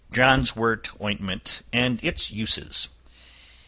Johnswort Ointment, and its Uses.